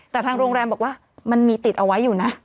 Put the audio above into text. แต่ทางโรงแรมบอกว่ามันมีติดเอาไว้อยู่นะ